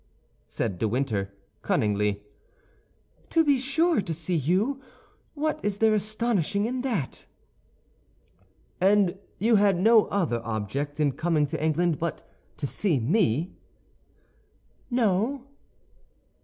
said de Winter, cunningly. "To be sure, to see you. What is there astonishing in that?" "And you had no other object in coming to England but to see me?" "No."